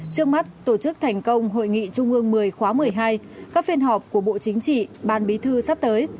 trước mắt tổ chức thành công hội nghị trung ương một mươi khóa một mươi hai các phiên họp của bộ chính trị ban bí thư sắp tới